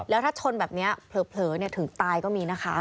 แล้วถ้าชนแบบนี้เผลอถึงตายก็มีนะคะ